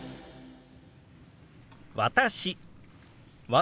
「私」。